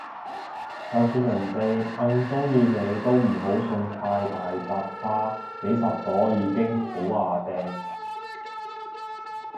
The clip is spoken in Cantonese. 就算人哋哽鍾意你都唔好送太大紮花，幾十朵已經好椏掟